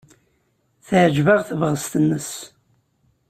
Teɛjeb-aɣ tebɣest-nnes.